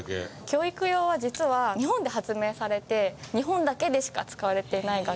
教育用は実は日本で発明されて日本だけでしか使われてない楽器なんです。